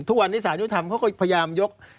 ทุกวันนี้สารยุธรรมเขาก็พยายามยก